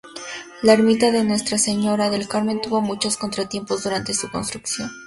La Ermita de Nuestra Señora del Carmen tuvo muchos contratiempos durante su construcción.